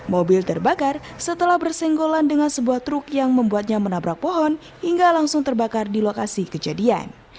mobil terbakar setelah bersenggolan dengan sebuah truk yang membuatnya menabrak pohon hingga langsung terbakar di lokasi kejadian